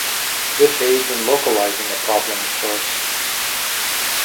This aids in localizing a problem's source.